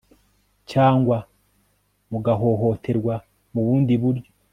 cyangwa mugahohoterwa mu bundi buryo